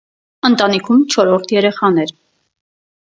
Ընտանիքում չորրորդ երեխան էր։